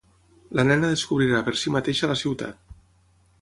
La nena descobrirà per si mateixa la ciutat.